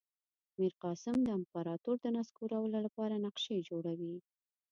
میرقاسم د امپراطور د نسکورولو لپاره نقشې جوړوي.